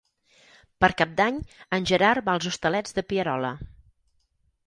Per Cap d'Any en Gerard va als Hostalets de Pierola.